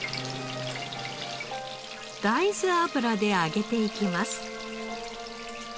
大豆油で揚げていきます。